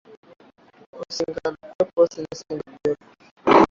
Usingalikuwapo nisingekuwepo.